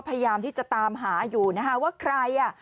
พยายามที่จะตามหาอยู่นะคะว่าใครอ่ะ